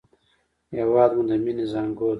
هېواد مو د مینې زانګو ده